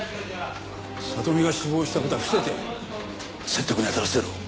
聡美が死亡した事は伏せて説得に当たらせろ。